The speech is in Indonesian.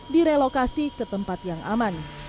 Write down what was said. direlokasi ke tempat yang aman